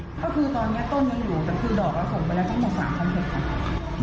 ก็คือตอนนี้ต้นยังอยู่แต่คือดอกเราส่งไปแล้วทั้งหมด๓๖๐๐ค่ะ